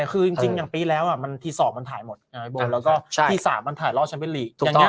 คือจริงยังปีแล้วอ่ะที๒มันถ่ายหมดแล้วก็ที๓มันถ่ายล่อเชิลเป็นลี